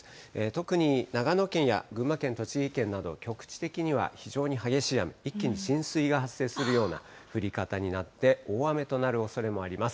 特に長野県や群馬県、栃木県など、局地的には非常に激しい雨、一気に浸水が発生するような降り方になって、大雨となるおそれもあります。